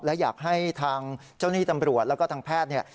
และอยากให้ทางเจ้าหนี้ตำรวจแล้วก็ทางแพทย์